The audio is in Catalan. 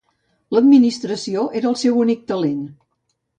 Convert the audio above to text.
L'administració era el seu únic talent.